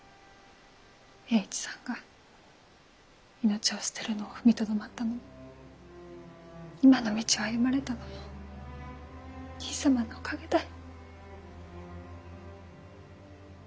栄一さんが命を捨てるのを踏みとどまったのも今の道を歩まれたのも兄さまのおかげだい。